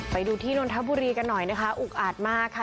ไปดูที่นนทบุรีกันหน่อยนะคะอุกอาจมากค่ะ